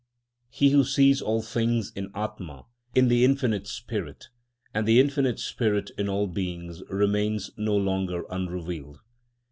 (He who sees all things in âtmâ, in the infinite spirit, and the infinite spirit in all beings, remains no longer unrevealed.)